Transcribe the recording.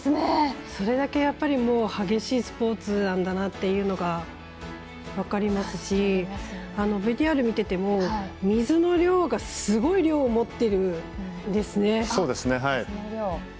それだけ、激しいスポーツなんだなっていうのが分かりますしＶＴＲ見てても水の量がすごい量を持っているんですね。